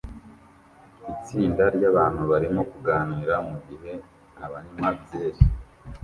Itsinda ryabantu barimo kuganira mugihe banywa byeri